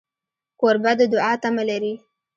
کوربه د دوعا تمه لري.